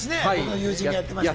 友人がやってましたね。